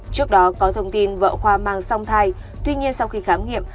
trước đó có thông tin vợ khoa mang song thai tuy nhiên sau khi khám nghiệm